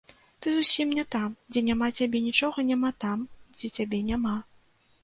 Ты зусім не там, дзе няма цябе нічога няма там, дзе цябе няма.